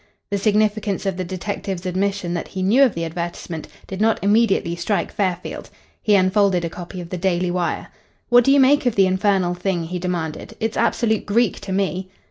The significance of the detective's admission that he knew of the advertisement did not immediately strike Fairfield. He unfolded a copy of the Daily Wire. "What do you make of the infernal thing?" he demanded. "It's absolute Greek to me."